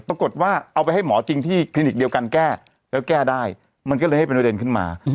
ปรากฏว่าเอาไปให้หมอจริงที่คลินิกเดียวกันแก้แล้วแก้ได้มันก็เลยให้เป็นประเด็นขึ้นมา